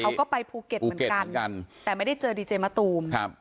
เขาก็ไปภูเก็ตเหมือนกันเหมือนกันแต่ไม่ได้เจอดีเจมะตูมครับ